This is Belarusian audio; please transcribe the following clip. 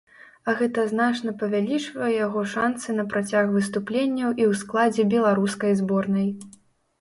А гэта значна павялічвае яго шанцы на працяг выступленняў і ў складзе беларускай зборнай.